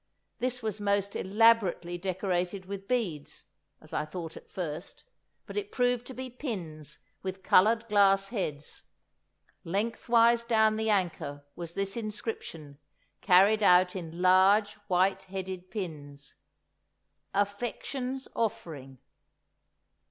This was most elaborately decorated with beads—as I thought at first—but it proved to be pins with coloured glass heads. Lengthwise down the anchor was this inscription, carried out in large white headed pins, "AFFECTION'S OFFERING."